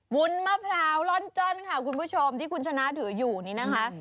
วุ้นมะพร้าวล่อนจ้อนค่ะคุณผู้ชมที่คุณชนะถืออยู่นี่นะคะ